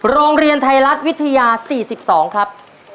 โรงเรียนไทยรัฐวิทยา๔๒ครับ